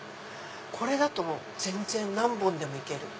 これだと全然何本でも行ける。